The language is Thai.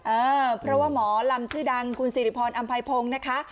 เออเพราะว่าหมอลำชื่อดังคุณสิริพรอำไพพงศ์นะคะ